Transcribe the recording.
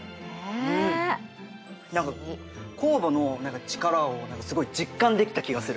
何か酵母の力をすごい実感できた気がする。